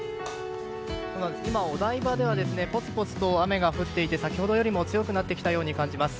今、お台場ではぽつぽつと雨が降っていて先ほどよりも強くなってきたように感じます。